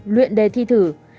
luyện đề thi thử